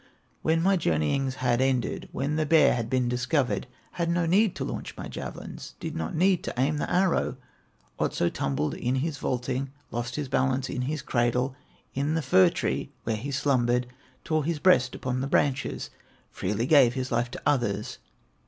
"When my journeyings had ended, When the bear had been discovered, Had no need to launch my javelins, Did not need to aim the arrow; Otso tumbled in his vaulting, Lost his balance in his cradle, In the fir tree where he slumbered; Tore his breast upon the branches, Freely gave his life to others.